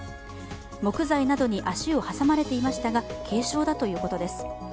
木材などに足を挟まれていましたが軽傷だということです。